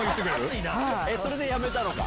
それでやめたのか。